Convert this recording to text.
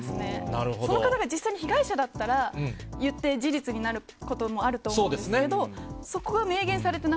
その方が実際に被害者だったら、言って、事実になることもあると思うんですけど、なるほど。